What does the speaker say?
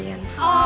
di sini juga